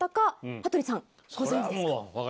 羽鳥さんご存じですか？